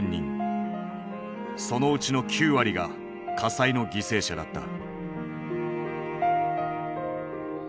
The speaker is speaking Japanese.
そのうちの９割が火災の犠牲者だった。